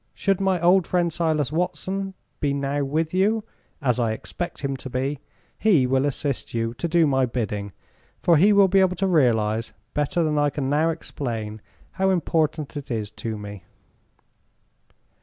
Should my old friend Silas Watson be now with you, as I expect him to be, he will assist you to do my bidding, for he will be able to realize, better than I can now explain, how important it is to me.